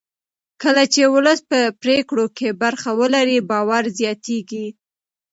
کله چې ولس په پرېکړو کې برخه ولري باور زیاتېږي